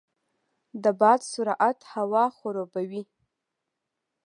د باد سرعت هوا خړوبوي.